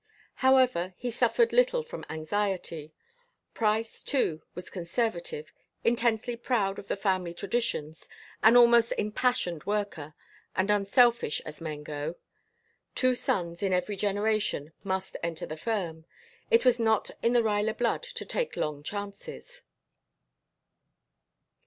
However, he suffered little from anxiety. Price, too, was conservative, intensely proud of the family traditions, an almost impassioned worker, and unselfish as men go. Two sons in every generation must enter the firm. It was not in the Ruyler blood to take long chances.